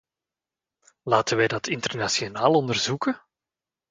Laten wij dat internationaal onderzoeken?